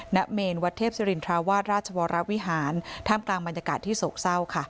เมนวัดเทพศิรินทราวาสราชวรวิหารท่ามกลางบรรยากาศที่โศกเศร้าค่ะ